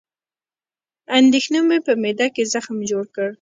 اندېښنو مې په معده کې زخم جوړ کړ